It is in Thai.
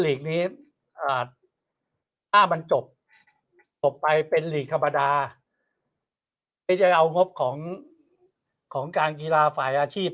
หลีกนี้มันจบไปเป็นหลีกธรรมดาเอางบของของการกีฬาฝ่ายอาชีพ